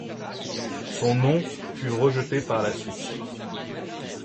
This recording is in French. Son nom fut rejeté par la suite.